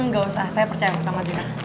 gak usah saya percaya sama mas juna